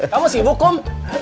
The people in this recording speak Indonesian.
kamu sibuk kum